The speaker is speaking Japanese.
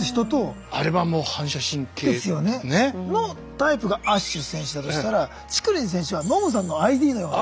タイプがアッシュ選手だとしたらチクリン選手はノムさんのＩＤのような。